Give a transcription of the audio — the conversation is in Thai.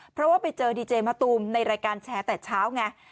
เพราะว่าไปเจอดีเจมะตูมในรายการแชร์แต่เช้าไง